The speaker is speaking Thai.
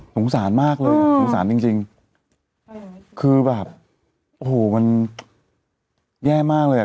สงสารมากเลยสงสารจริงจริงคือแบบโอ้โหมันแย่มากเลยอ่ะ